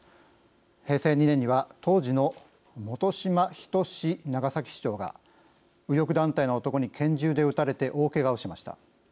平成２年には当時の本島等長崎市長が右翼団体の男に拳銃で撃たれて大けがをしました。